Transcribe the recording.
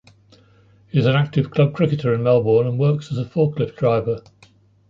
He is an active club cricketer in Melbourne and works as a forklift driver.